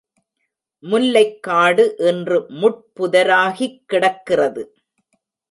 முல்லைக்காடு இன்று முட்புதராகிக் கிடக்கிறது!